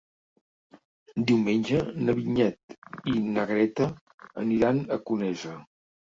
Diumenge na Vinyet i na Greta aniran a Conesa.